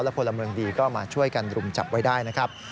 พลเมืองดีก็มาช่วยกันรุมจับไว้ได้นะครับ